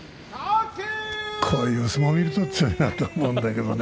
こういう相撲を見ると強いなと思うんだけどね。